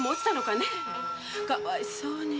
かわいそうに。